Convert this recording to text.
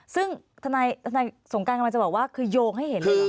ซึ่งทนายสงการกำลังจะบอกว่าคือโยงให้เห็นเลยเหรอ